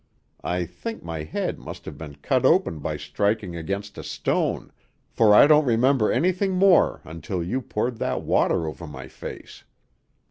I think my head must have been cut open by striking against a stone, for I don't remember anything more until you poured that water over my face."